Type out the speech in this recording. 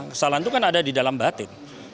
kesalahan itu kan ada di dalam batin